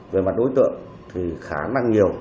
về mặt đối tượng thì khá năng nhiều